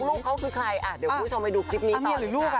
ลูกเขาคือใครอ่ะเดี๋ยวคุณผู้ชมไปดูคลิปนี้ต่อ